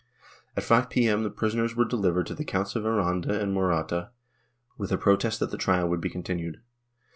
At 5 p.m. the prisoners were delivered to the Counts of Aranda and Morata, with a protest that the trial would be continued.